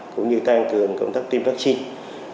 cũng như tăng cường công tác tiêm vaccine